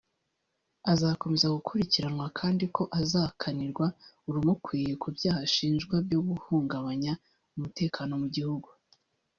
azakomeza gukurikiranwa kandi ko azakanirwa urumukwiye ku byaha ashinjwa byo guhungabanya umutekano mu gihugu